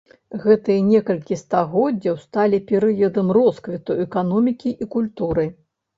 Гэтыя некалькі стагоддзяў сталі перыядам росквіту эканомікі і культуры.